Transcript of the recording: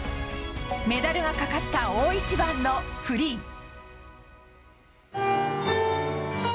メダルがかかった大一番のフリー。